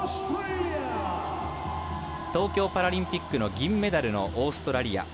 東京パラリンピックの銀メダルのオーストラリア。